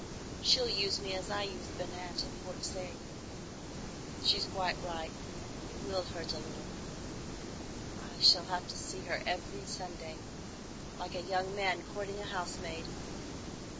She'll use me as I used Binat at Port Said. She's quite right. It will hurt a little. I shall have to see her every Sunday,—like a young man courting a housemaid.